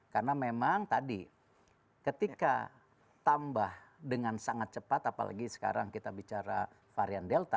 karena memang tadi ketika tambah dengan sangat cepat apalagi sekarang kita bicara varian delta